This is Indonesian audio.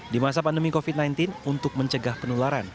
di masa pandemi covid sembilan belas untuk mencegah penularan